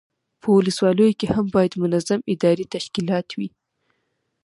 په ولسوالیو کې هم باید منظم اداري تشکیلات وي.